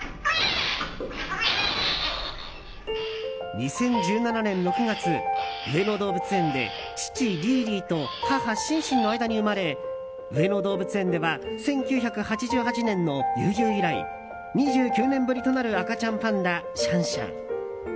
２０１７年６月、上野動物園で父リーリーと母シンシンの間に生まれ上野動物園では１９８８年のユウユウ以来２９年ぶりとなる赤ちゃんパンダ、シャンシャン。